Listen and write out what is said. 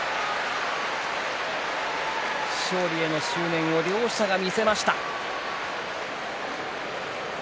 勝利への執念を両者が見せました。